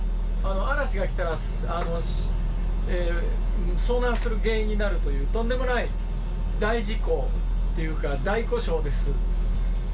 嵐が来たら、遭難する原因になるという、とんでもない大事故というか、大故障です。